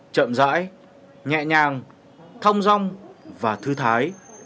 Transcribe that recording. chậm dãi nhẹ nhàng thong rong và thư thái